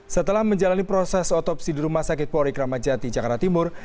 setelah menjalani proses otopsi di rumah sakit polri kramajati jakarta timur